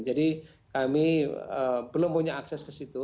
jadi kami belum punya akses ke situ